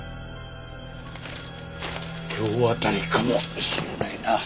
今日あたりかもしれないな。